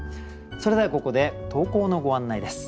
それではここで投稿のご案内です。